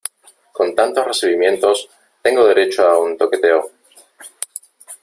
con tantos recibimientos , tengo derecho a un toqueteo .